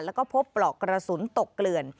แล้วก็พบปลอกกระสุนตกเกลื่อน